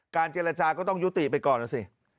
เจรจาก็ต้องยุติไปก่อนนะสิ